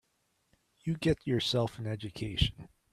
You get yourself an education.